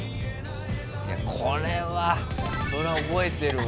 いやこれはそれは覚えてるわ。